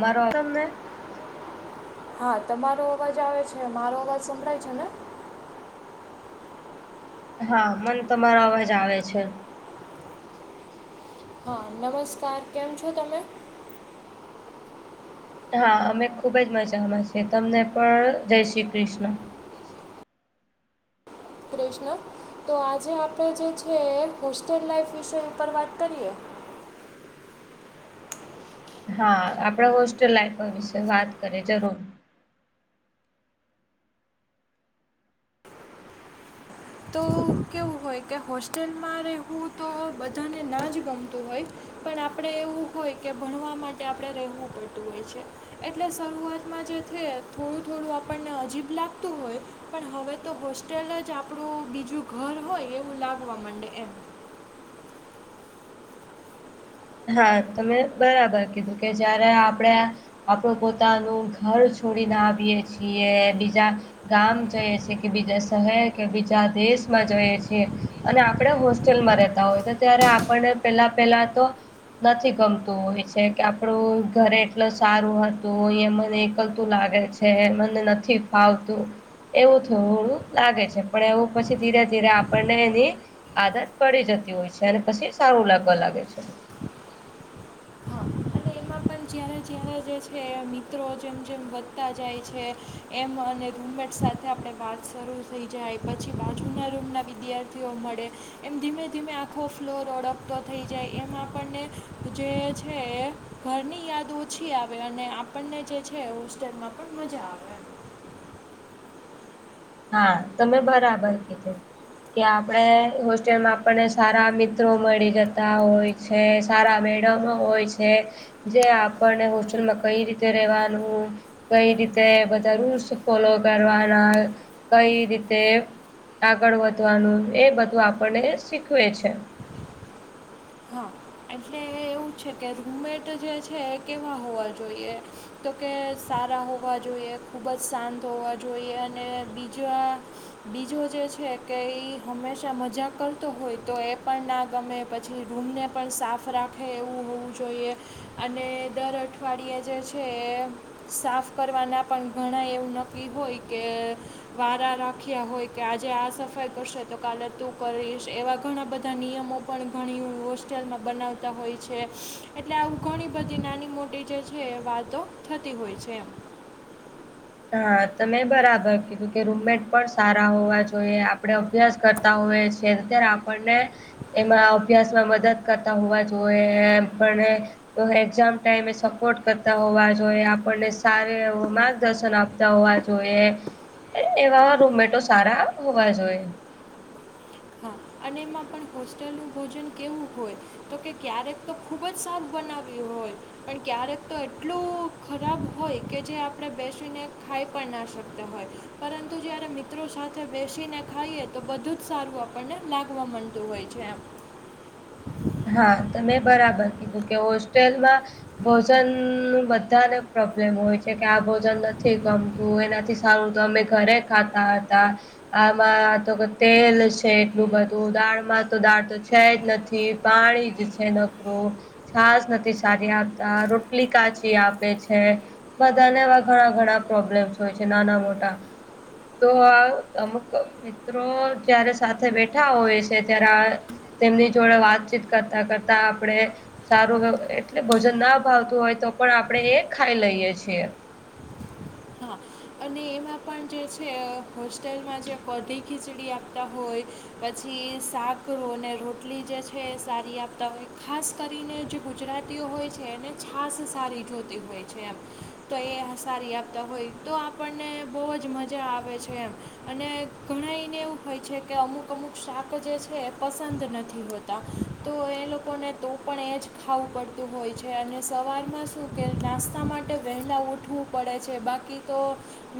મારો તમને [inaudible] હા તમારો અવાજ આવે છે મારો અવાજ સંભળાય છે ને. હા મન તમારા અવાજ આવે છે. હા નમસ્કાર કેમ છો તમે. હા અમે ખુબ જ મજામાં છેએ તમને પણ જય શ્રી કૃષ્ણ. કૃષ્ણ તો આજે આપણે જે છે હોસ્ટેલ લાઈફ વિષ ઉપર વાત કરીએ. હા આપણા હોસ્ટેલ લાઈફ વિશે વાત કરીએ જરૂર. તો કેવું હોય કે હોસ્ટેલમાં રહેવું તો બધાને ના જ ગમતું હોય. પણ આપણેે એવું હોય કે ભણવા માટે આપણેે રહેવું પડતું હોય છે. એટલે શરૂઆતમાં જે છે થોડું થોડું આપણને અજીબ લાગતું હોય. પણ હવે તો હોસ્ટેલ જ આપણું બીજું ઘર હોય એવું લાગવા મડે એમ. હા તમે બરાબર કીધું કે જયારે આપણે આપડું પોતાનું ઘર છોડીને આવીએ છીએ બીજા ગામ છે છે કે બીજા શહેર કે બીજા દેશમાં જઈએ છેએ. અને આપણે હોસ્ટેલમાં રહેેતા હોય તો ત્યારે આપણને પેલા પેલા તો નથી ગમતું હોય છે કે આપડું ઘરે એટલ સારું હતું એ મને એકલતું લાગે છે. તે મને નથી ફાવતું. એવું થોડુક લાગે છે પણ એવું પછી ધીરે ધીરે આપણને એની આદત પડી જતી હોય છે અને પછી સારું લાગવા લાગે છે‌. હા અને એમાં પણ જ્યારે જ્યારે જે છે મિત્રો જેમ જેમ વધતા જાય છે એમ અને રૂમમેટ સાથે આપણે વાત શરૂ થઈ જાય પછી બાજુના રૂમના વિદ્યાર્થીઓ મળે એમ ધીમે ધીમે આખો ફ્લોર ઓળખતો થઈ જાય એમ આપણને જે છે. ઘરની યાદ ઓછી આવે અને આપણને જે છે હોસ્ટેલમાં પણ મજા આવે. હા તમે બરાબર કીધું. કે આપણે હોસ્ટેલમાં આપણને સારા મિત્રો મળી જતા હોય. છે સારા મેડમ હોય છે. જે આપણને હોસ્ટેલમાં કઈ રીતે રેવાનું કઈ રીતે બધા રૂલ્સ ફોલો કરવાના કઈ રીતે આગળ વધવાનું એ બધું આપણને શીખવે છે. હા એટલે એવું છે કે રૂમેટ જે છે કેવા હોવા જોઈએ. તો કે સારા હોવા જોઈએ ખૂબ જ શાંત હોવા જોઈએ અને બીજા બીજો જે છે કે એ હંમેશા મજાક કરતો હોય તો એ પણ ના ગમે પછી રૂમને પણ સાફ રાખે એવું હોવું જોઈએ. અને દર અઠવાડિયે જે છે એ સાફ કરવાના પણ ઘણા એવું નક્કી હોય કે. વારા રાખ્યા હોય કે આજે આ સફાઈ કરશે તો કાલે તું કરીશ એવા ઘણા બધા નિયમો પણ ઘણી વોસ. હોસ્ટેલમાં બનાવતા હોય છે એટલે આવું ઘણી બધી નાની મોટી જે છે એ વાતો થતિ હોય છે. હા તમે બરાબર કીધું કે રૂમમેટ પણ સારા હોવા જોઈએ આપડણે અભ્યાસ કરતા હોય છે ત્યારે આપણને એમાં અભ્યાસમાં મદદ કરતા હોવા જોઈએ એમ પણ એક્ઝામ ટાઈમે એ સપોર્ટ કરતા હોવા જોઈએ આપણને સ મા દર્શન આપતા હોવા જોઈએ, એવા રૂમેટો સારા હોવા જોઈએ. હા અને એમાં પણ હોસ્ટેલનું ભોજન કેવું હોય. તો કે ક્યારેક તો ખૂબ જ સાદ બનાવીવી હોય. પણ ક્યારેક તો એટલું ખરાબ હોય કે જે આપણે બેસીને ખાઈ પણ ના શકતા હોય. પરંતુ જયારે મિત્રો સાથે બેસીને ખાઈએ તો બધું જ સારું આપણને લાગવા માંતું હોય છે એમ. હા ત મેં બરાબર કીધું કે હોસ્ટેલમાં ભોજન ન બધાને પ્રોબ્લેમ હોય છે કે આ ભોજન નથી ગમતું એના સંગુ તો અમે ઘરે ખાતા હતા. આમાં તો કે તેલ છે એટલું બધું દાળમાં તો દાળ તો છે જ નથી. પાણી જે છે નકરું. છાસ નથી સારી આપતા રોટલી કાચી આપે છે. બધાને એવા ઘણા ઘણા પ્રોબ્લેમ્સ હોય છે નાના મોટા. તો આ અમક મિત્રો જયારે સાથે બેઠા હોય છે ત્યારે તેમની જોડે વાત કરતા કરતા આપણે સારું એટલે ભોજન ના ભાવતું હોય તો પણ આપણે એ ખાઈ લઈએ છીએ. હા. અને એમાં પણ જે છે હોસ્ટેલમાં જે પધી ખીચડી આપતા હોય. પછી સાકરું અને રોટલી જે છે સારી આપતા હોય ખાસ કરીને જે ગુજરાતીઓ હોય છે એને છાસ સારી જોતી હોય છે એમ. તો એ સારી આપતા હોય તો આપણને બહુ જ મજા આવે છે એમ. અને ઘણા એને એવું હોય છે કે અમુક અમુક શાક જે છે એ પસંદ નથી હોત. તો એ લોકોને તો પણ એ જ ખાવું પડતું હોય છે અને સવારમાં શું કે નાસ્તા માટે વહેલાં ઉઠવું પડે છે બાકી તો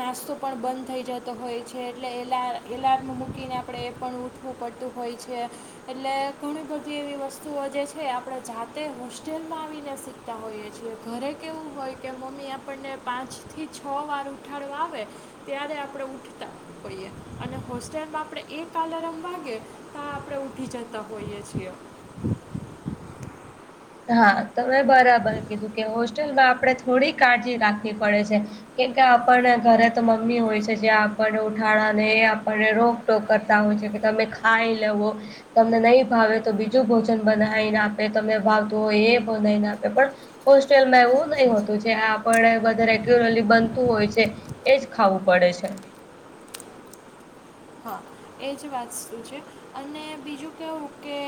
નાસ્તો પણ બંધ થઈ જતો હોય છે એટલે એલ એલાર્મ મૂકીને આપણે એ પણ ખવું પડતું હોય છે. એટલે ઘણી બધી એવી વસ્તુઓ જે છે આપણે જાતે હોસ્ટેલમાં આવીને શીખ તા હોઈએ છીએ ઘરે કેવું હોય કે મમ્મી આપણને પાંચ થી છ વાર ઉઠાડો આવે ત્યારે આપણે ઉઠતા. હોઈએ અને હોસ્ટેલમાં આપણે એક કલરમ વાગે. તો આપણે ઊઠી જતા હોઈએ છીએ. હા તમે બરાબર કીધું કે હોસ્ટેલમાં આપણે થોડી કાળજી રાખવી પડે છે. કેમકે આપણને ઘરે તો મમ્મી હોય છે જે આપણને ઉઠાળ ને એ આપણને રો કરતા હોય છે કે તમે ખાઈ લેવો. તમને નહીં ભાવે તો બીજું ભોજન બનાવીને આપે તમને ભાવતું હોય એ બનાવીને આપે પણ હોસ્ટેલમાં એવું નહી હોતું છે આપ બધ રેગ્યુલરલી બનતું હોય છે. એજ ખાવું પડે છે. હા એ જ વાતતું છે. અને બીજું કેવું કે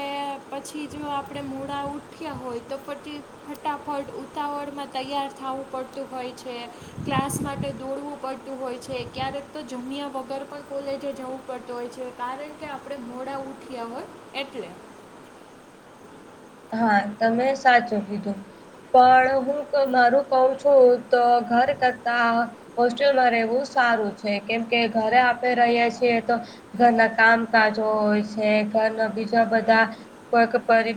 પછી જો આપણે મૂડા ઉઠ્યા હોય તો પછી ફટાફટ ઉતાવળમાં તૈયાર થવું પડતું હોય છે, ક્લાસ માટે દોડવું પડતું હોય છે ક્યારેક તો જુમિયા વગર પણ કોલે જે જવું પડતું હોય છે કારણ કે આપણે મોડા ઉઠ્યા હોય એટલે. હા તમે સાચું કીધું. પણ હું મારું કઉ છું તો ઘર કરતા હોસ્ટેલમાં રહેવું સારું છે કેમ કે ઘરે આપણે રહ્યા છીએ તો. ઘરના કામકાજો હોય છે ઘરના બીજા બધા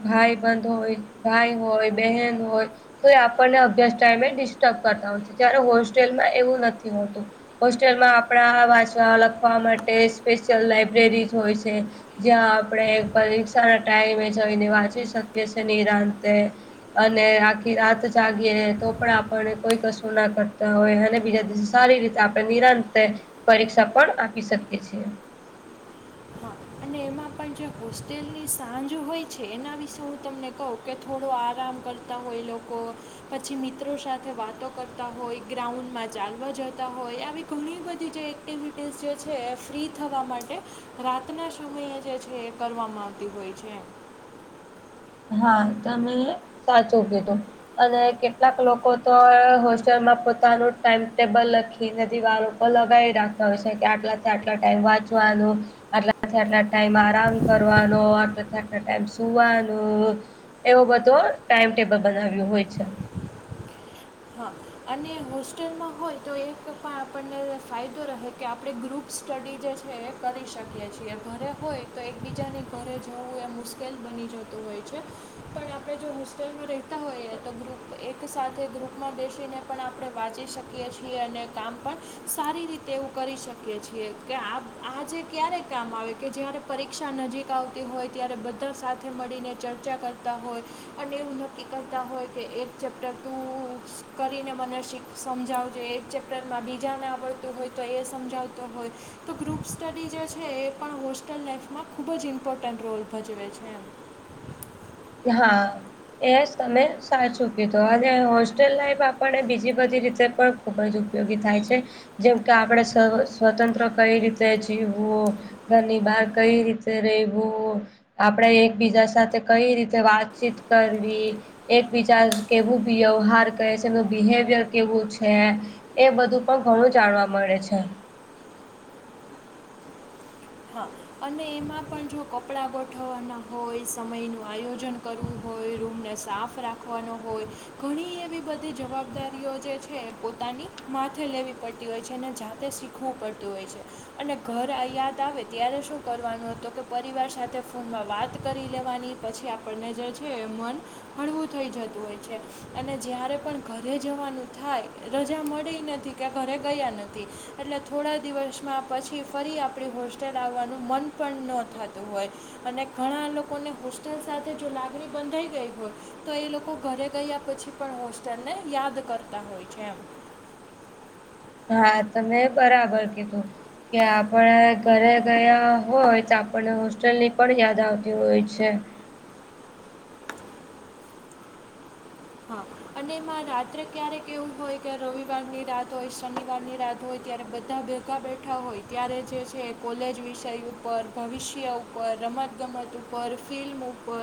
ભાઈ બંધ હોય ભાઈ હોય બહેન હોય. તો એ આપણને અભ્યાસ ટાઈમે ડિસ્ટર્બ કરતા હોય છે ત્યારે હોસ્ટેલમાં એવું નથી હોતું. હોસ્ટેલમાં આપણા વાચવા લખવા માટે સ્પેશિયલ લાઈબ્રેરી હોય છે. જ્યાં આપણે પરીક્ષા ના ટાઈમે જઈને વાંચી શકીએ છે નિરાંતે અને આખી રાત જાગી તો પણ કોઈ કશું ના કરતા હોય અને બીજા દિવસે સારી રીતે આપણે નિરાંતે પરીક્ષા પણ આપી શકીએ છીએ. હા અને એમાં પણ જે હોસ્ટેલની સાંજ હોય છે. એના વિશે હું તમને કહું કે થોડો આરામ કર ત હોય એ લોકો લોકો પછી મિત્રો સાથે વાતો કરતા હોય ગ્રાઉન્ડમાં ચાલવા જતા હોય આવી ઘણી બધી જે એક્ટિવિટીઝ જે છે એ ફ્રી થવા માટે રાતના જે છે એ કરવામાં આવતી હોય છે. હા તમે સાચો કેધું. અને કેટલાક લોકો તો હોસ્ટેલમાં પોતાનું ટાઈમ ટેબલ લખી નથી વારો લગાવી રાખતા હોય છે કે આટલાથી આટલા ટાઈમ વાંચવાનું. આટલાથી આટલા ટાઈમ આરામ કરવાનો આટલાથી આટલો ટાઈમ સુવાનો. એવો બધો ટાઈમ ટેબલ બનાવ્યું હોય છે. હા અને હોસ્ટેલમાં હોય તો એક પણ આપણને ફાયદો રહે કે આપણે ગ્રુપ સ્ટડી જે છે એ કરી શકીએ છીએ ઘરે હોય તો એકબીજાની ઘરે જવું એ મુશ્કેલ બની જતું હો પણ આપ જો હોસ્ટેલમાં રહેતા હોઈ તો ગુપ એક સાથે ગ્રુપમાં બે જેને પણ આપણે વાંચી શકીએ છીએ અને કામ પણ સારી રીતે એવું કરી શકીએ છીએ કે આજે ક્યારે કામ આવે કે જારે પરીક્ષા નજીક આવતી હોય ત્યારે બધા સાથે મળીને ચર્ચા કરતા હોય. પણ એવું નક્કી કરતા હોય કે એક ચેપ્ટર તું કરીને મને શીખ સમજાવજો એક ચેપ્ટરમાં બીજાને આવડતું હોય તો એ સમજાવતો હોય. તો ગ્રુપ સ્ટડી જે છે એ પણ હોસ્ટલ લાઈફમાં ખુબ જ ઇમ્પોર્ટન્ટ રોલ ભજવે છે. એમ હા એ તમે સાચું કીધ અને હોસ્ટેલ લાઈફ આપણને બીજી બધી રીતે પણ ખૂબ જ ઉપયોગી થાય છે. જેમ કે આપણે સ્વતંત્ર કઈ રીતે જીવવું. ઘરની બહાર કઈ રીતે રવું આપડે એકબીજા સાથે કઈ રીતે તે વાતચીત કરવી. એક બીજા કેવું વ્યવહાર કરહે છે એનું બિહેવિયર કેવું છે.? એ બધું પણ ઘણું જાણવા મળે છે. હા અને એમાં પણ જો કપડાં ગોઠવવાના હોય, સમયનું આયોજન કરવું હોય, રૂમને સાફ રાખવાનો હોય ઘણી એવી બધી જવાબદારીઓ જે છે પોતાની માથે લેવી પડતી હોય છે અને જાતે શીખવું પડત હોય છે અને ઘર યાદ આવે ત્યારે શું કરવાનું તો કે પરિવાર સાથે ફોનમાં વાત કરી લેવાની પછી આપણે આપણને જે છે એ મન હળવું થઈ જતું હોય છે. અને જ્યારે પણ ઘરે જવાનું થાય રજા મળી નથી કે ઘરે ગયા નથી. એટલે થોડા દિવસમાં પછી ફરી આપ આપણી હોસ્ટેલ આવવાનું મન પણ ન થતું હોય. અને ઘણા લોકોને હોસ્ટેલ સાથે જો લાગણી બંધાઈ ગઈ હોય તો એ લોકો ઘરે ગયા પછી પણ હોસ્ટેલ ને યાદ કરતા હોય છે એમ. હા તમે બરાબર કીધું. કે આપણે ઘરે ગયા હોય, તો આપણને હોસ્ટેલની પણ યાદ આવતી હોય છે. હા અને એમાં રાત્રે ક્યારેક એવું હોય કે રવિવારની રાત હોય શનિવારની રાત હોય ત્યારે બધા બેઠા હોય ત્યારે જે છે કોલેજ વિષય ઉપર, ભવિષ્ય ઉપર, રમત ગમત ઉપ ઉપ ફિલ્મ ઉપર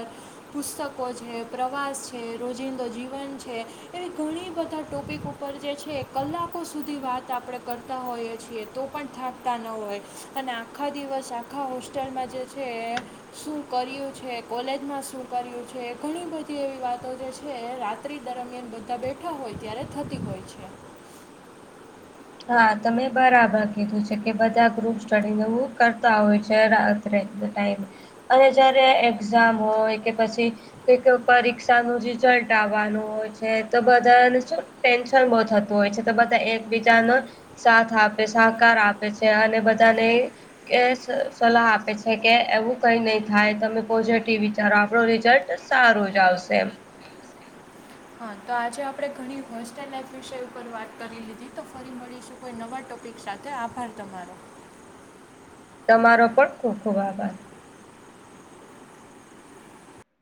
પુસ્તકો છે પ્રવાસ છે રોજિંદો જીવન છે એવી ઘણી બધા ટોપિક ઉપર જે છે કલાકો સુધી વાત આપણે કરતા તા હોઈએ છીએ તો પણ થાકતા ન હોય. અને આખા દિવસ આખા હોસ્ટેલમાં જે છે શું કર્યું છે? કોલેજમાં શું કર્યું છે? ઘણી બધી એવી વાતો જે છે. એ રાત્રિ દરમિયાન બધા બેઠા હોય ત્યારે જ થતી હોય છે. હા તમે બરાબર કીધું છે કે, બધા ગ્રુપ સ્ટડી ને એવું કરતા હોય છે. રાત ત્રે ટાઈમે, અને જયારે એક્ઝામ હોય કે પછી કઈક પરીક્ષા નું રિઝલ્ટ આવવાનું હોય છે, તો બધાને શું ટેન્શન બહુ થતું હોય છે, તો બધા એકીજ જાનો સાથ આપે, સહકાર આપે છે, અને બધાને કે સ સલાહ આપે છે, કે એવું કઈ નહી થાય, તમે પોઝિટિવ વિચારો આપડો રિઝલ્ટ સારું જ આવશે એમ હા તો આજે આપણે ઘણી હોસ્ટેલ લાઈફ વિષે ઉપર વાત કરી લીધી, તો ફરી મળી કોઈ નવા ટોપિક સાથે, આભાર તમારો. તમારો પણ ખુબ ખુબ આભાર.